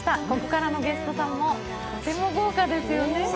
ここからのゲストさんもとても豪華ですよね。